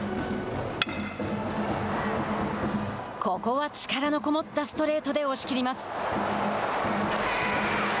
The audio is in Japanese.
ここは力のこもったストレートで押し切ります。